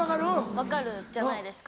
分かるじゃないですか。